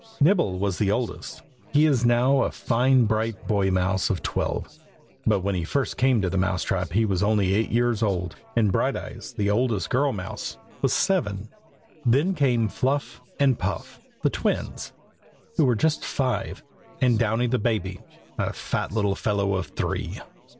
Nibble is the oldest. He is now a fine bright boy mouse of twelve, but when he first came to the mouse trap he was only eight years old, and Brighteyes, the oldest girl mouse, was seven. Then came Fluff and Puff, the twins, who were just five, and Downy the baby, a fat little fellow of three.